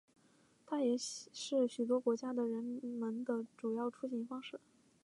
它也是许多国家的人们的主要出行方式。